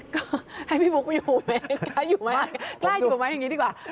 ก็ให้พี่บุ๊กไปอยู่ไหมกล้าอยู่ไหมกล้าอยู่กับไม้อย่างนี้ดีกว่า